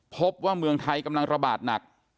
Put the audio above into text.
พบว่าเมืองไทยกำลังระบาดหนัก